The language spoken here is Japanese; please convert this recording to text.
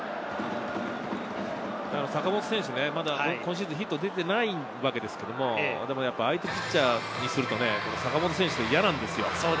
坂本選手ね、まだ今シーズン、ヒットが出ていないわけですけれど、相手ピッチャーからすると坂本選手は嫌なんですよ。